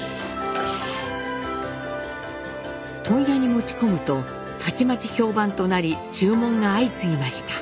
問屋に持ち込むとたちまち評判となり注文が相次ぎました。